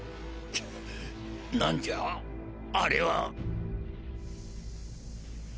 なんじゃあれは。